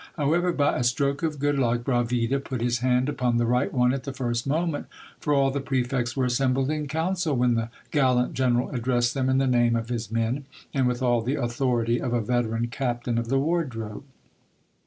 However, by a stroke of good luck, Bravida put his hand upon the right one at the first moment, for all the pre fects were assembled in council, when the gallant general addressed them in the name of his men, and with all the authority of a veteran Captain of the Wardrobe.